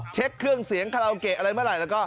เช็คเครื่องเสียงคาราโอเกะอะไรเมื่อไหร่แล้วก็